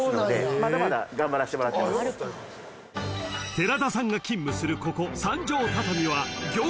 ［寺田さんが勤務するここ］